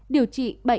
điều trị bệnh đa sơ cứng